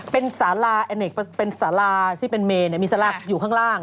เป็นสาราเนกเป็นสาราที่เป็นเมนมีสาราอยู่ข้างล่าง